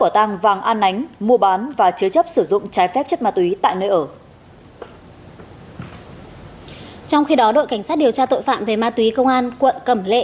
trong khi đó đội cảnh sát điều tra tội phạm về ma túy công an quận cẩm lệ